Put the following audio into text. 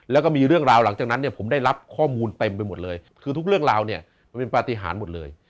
แล้วก็มีเรื่องราวหลังจากนั้นเนี่ยผมได้รับข้อมูลเต็มไปหมดเลยคือทุกเรื่องราวเนี่ยมันเป็นปฏิหารหมดเลย